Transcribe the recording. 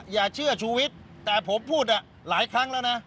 อย่าเชื่อชูวิทย์แต่ผมพูดหลายครั้งแล้วนะ